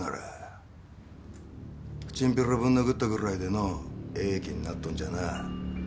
チンピラぶん殴ったぐらいでのええ気になっとんじゃなあ。